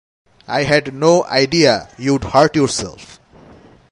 I'd no idea you'd hurt yourself.